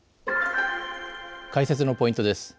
解説のポイントです。